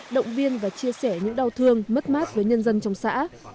động viên và chia sẻ những đau thương mất mát với nhân dân trong xã